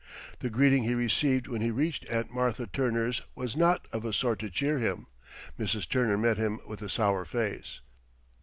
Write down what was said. The greeting he received when he reached Aunt Martha Turner's was not of a sort to cheer him. Mrs. Turner met him with a sour face.